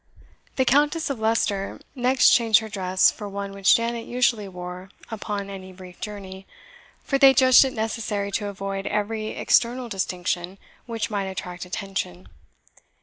The Countess of Leicester next changed her dress for one which Janet usually wore upon any brief journey, for they judged it necessary to avoid every external distinction which might attract attention.